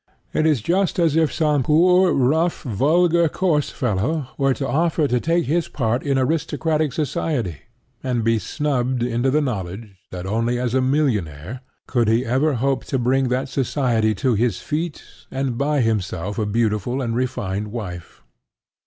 It is just as if some poor, rough, vulgar, coarse fellow were to offer to take his part in aristocratic society, and be snubbed into the knowledge that only as a millionaire could he ever hope to bring that society to his feet and buy himself a beautiful and refined wife.